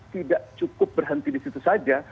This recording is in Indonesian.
tidak cukup berhenti di situ saja